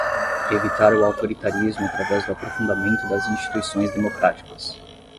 Evitar o autoritarismo através do aprofundamento das instituições democráticas